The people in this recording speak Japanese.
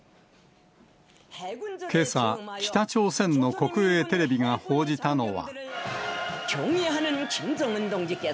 けさ、北朝鮮の国営テレビが報じたのは。